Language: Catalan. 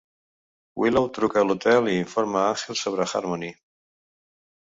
Willow truca a l'hotel i informa a Angel sobre Harmony.